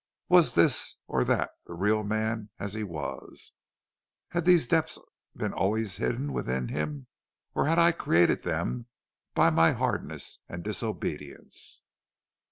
Was this or that the real man as he was? Had these depths been always hidden within him, or had I created them there by my hardness and disobedience?